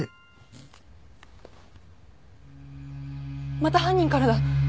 また犯人からだ！